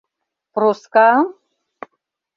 Проскам?!